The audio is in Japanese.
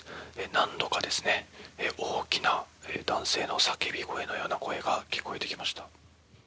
何度か、大きな男性の叫び声のような声が聞こえてきました。